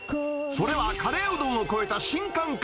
それは、カレーうどんを超えた新感覚。